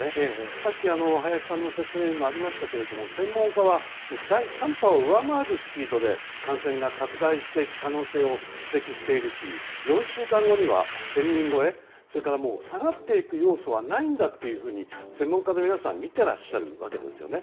さっき林さんの説明にもありましたけれども専門家は第３波を上回るスピードで感染が拡大していく可能性を指摘しているし４週間後には１０００人超え下がっていく要素はないんだと専門家の皆さんみていらっしゃるわけですね。